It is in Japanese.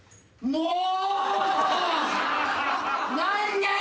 もう！